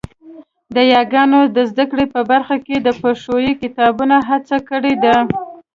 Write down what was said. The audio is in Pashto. د یاګانو د زده کړې په برخه کې د پښويې کتابونو هڅه کړې ده